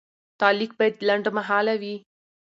تعلیق باید لنډمهاله وي.